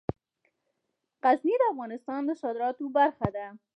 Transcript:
غزني د افغانستان د صادراتو برخه ده.